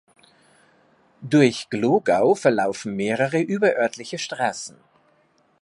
Durch Glogau verlaufen mehrere überörtliche Straßen.